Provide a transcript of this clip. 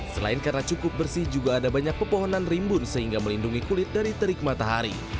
selain karena cukup bersih juga ada banyak pepohonan rimbun sehingga melindungi kulit dari terik matahari